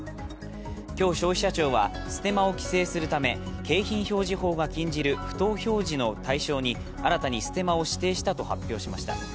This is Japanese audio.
今日、消費者庁はステマを帰省するため、景品表示法が禁じる不当表示の対象に新たにステマを指定したと発表しました。